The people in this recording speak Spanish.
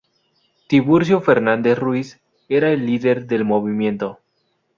Tiburcio Fernández Ruíz era el líder del movimiento.